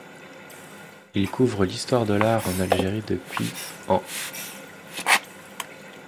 Il couvre l'histoire de l'art en Algérie depuis ans.